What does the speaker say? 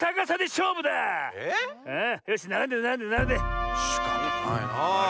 しかたないなあ。